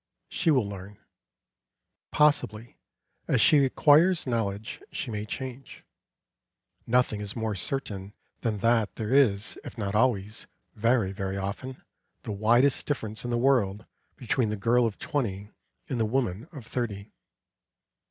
She will learn. Possibly, as she acquires knowledge, she may change. Nothing is more certain than that there is, if not always, very very often, the widest difference in the world between the girl of twenty and the woman of thirty.